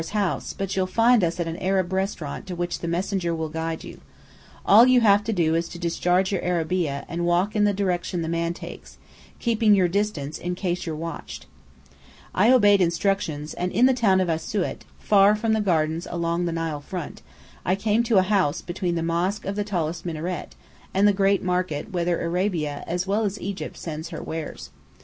's house, but you'll find us at an Arab restaurant to which the messenger will guide you. All you have to do is to discharge your arabeah, and walk in the direction the man takes, keeping your distance in case you're watched." I obeyed instructions, and in the town of Asiut, far from the gardens along the Nile front, I came to a house between the mosque of the tallest minaret, and the great market whither Arabia as well as Egypt sends her wares.